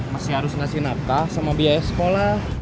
masih harus ngasih nafkah sama biaya sekolah